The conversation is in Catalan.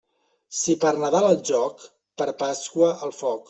Si per Nadal al joc, per Pasqua al foc.